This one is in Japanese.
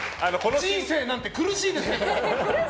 人生なんて苦しいですけども。